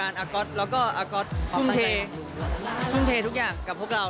อาร์กอทเรากล้องอาร์กอทเนี่ยทุ่มเททุกอย่างกับพวกเรา